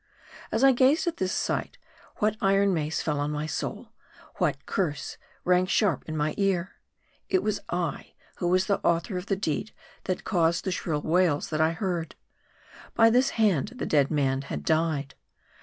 As I gazed at this sight, what iron mace fell on my soul ; what curse rang sharp in my ear ! It was I, who was the author of the deed that caused the shrill wails that I heard. MARDI. 163 By this hand, the dead man had died.